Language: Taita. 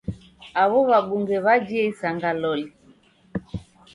Aw'o w'abunge w'ajie isanga loli!